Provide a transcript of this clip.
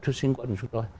thứ sinh quân của chúng tôi